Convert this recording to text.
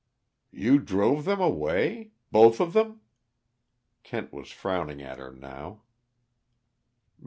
"You drove them away? Both of them?" Kent was frowning at her now.